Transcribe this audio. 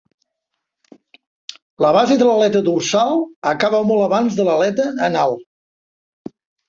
La base de l'aleta dorsal acaba molt abans de l'aleta anal.